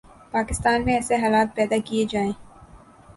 پاکستان میں ایسے حالات پیدا کئیے جائیں